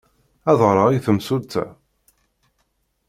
Ad ɣreɣ i temsulta?